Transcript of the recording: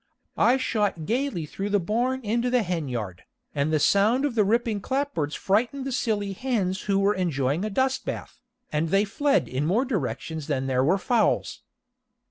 I shot gayly through the barn into the hen yard, and the sound of the ripping clapboards frightened the silly hens who were enjoying a dust bath, and they fled in more directions than there were fowls.